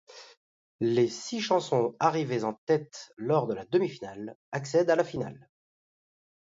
Les six chansons arrivées en tête lors de la demi-finale accèdent à la finale.